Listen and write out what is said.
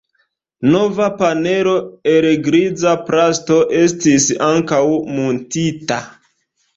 Nova panelo el griza plasto estis ankaŭ muntita.